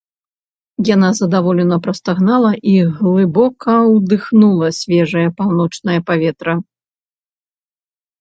Яна задаволена прастагнала і глыбока ўдыхнула свежае паўночнае паветра